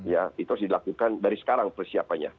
ya itu harus dilakukan dari sekarang persiapannya